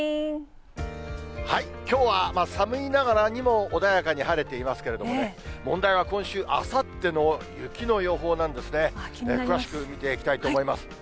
きょうは寒いながらにも、穏やかに晴れていますけれどもね、問題は今週、あさっての雪の予報なんですね。詳しく見ていきたいと思います。